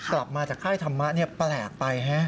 กลับมาจากค่ายธรรมะแปลกไป